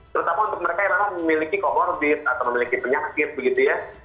terutama untuk mereka yang memang memiliki komorbid atau memiliki penyakit begitu ya